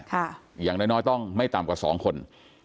อย่างน้อยน้อยต้องไม่ต่ำกว่าสองคน